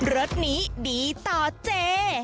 รถนี้ดีต่อเจ